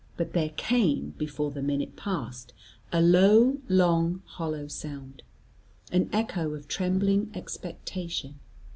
But there came, before the minute passed, a low, long, hollow sound, an echo of trembling expectation.